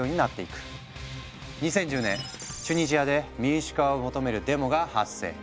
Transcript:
２０１０年チュニジアで民主化を求めるデモが発生。